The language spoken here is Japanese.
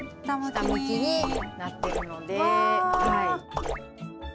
下向きになってるので。